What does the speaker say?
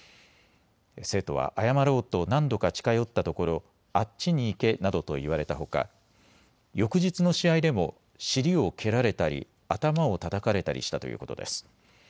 生徒は謝ろうと何度か近寄ったところ、あっちに行けなどと言われたほか、翌日の試合でも尻を蹴られたり頭をたたかれたりしたということです。